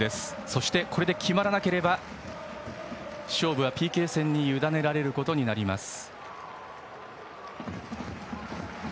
そしてこれで決まらなければ勝負はＰＫ戦にゆだねられます。